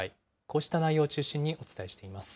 こうした内容を中心にお伝えしています。